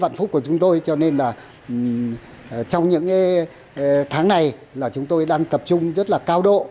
vạn phúc của chúng tôi cho nên là trong những tháng này là chúng tôi đang tập trung rất là cao độ